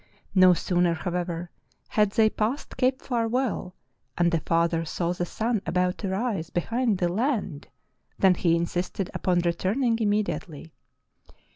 No sooner, however, had they passed Cape Farewell and the fa ther saw the sun about to rise behind the land than he insisted upon returning immediately.